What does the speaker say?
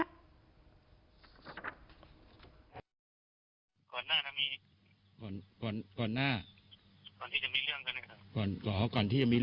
ค่าวเหล้าอะไรกันเนี่ย